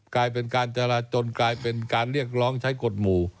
กลายเป็นการจราจนกลายเป็นการเรียกร้องใช้กฎหมู่